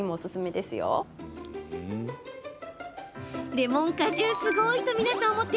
レモン果汁すごい！